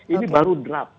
ini baru draft